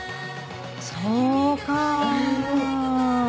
そうか。